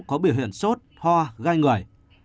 có biểu hiện sốt hoa gai người